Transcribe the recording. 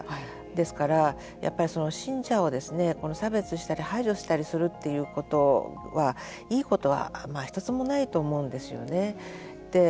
ですから、やっぱり信者をですね差別したり排除したりするということはいいことは１つもないと思うんですよね。